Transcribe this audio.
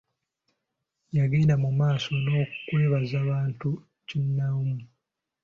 Yagenda mu maaso n'okwebaza abantu ssekinomu.